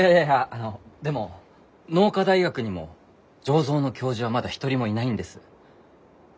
あのでも農科大学にも醸造の教授はまだ一人もいないんです。